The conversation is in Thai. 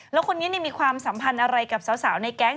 แล้วคนนี้มีความสัมพันธ์อะไรกับสาวในแก๊ง